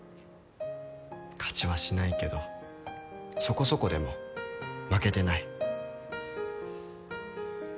勝ちはしないけどそこそこでも負けてない。